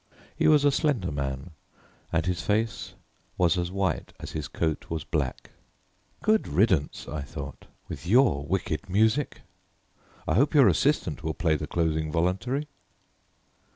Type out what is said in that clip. He was a slender man, and his face was as white as his coat was black. "Good riddance!" I thought, "with your wicked music! I hope your assistant will play the closing voluntary."